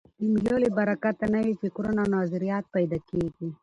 د مېلو له برکته نوي فکرونه او نظریات پیدا کېږي.